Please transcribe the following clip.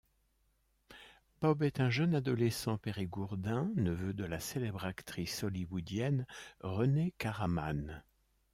Bob est un jeune adolescent périgourdin, neveu de la célèbre actrice hollywoodienne Renée Caraman.